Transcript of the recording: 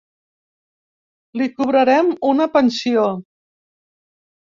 Li cobrarem una pensió.